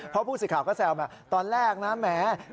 พ่อผู้สิทธิ์ข่าวก็แซวมาตอนแรกนะแหม